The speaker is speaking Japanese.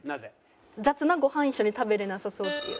雑なごはん一緒に食べれなさそうっていう。